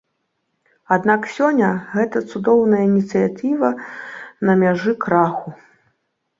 Аднак сёння гэта цудоўная ініцыятыва на мяжы краху.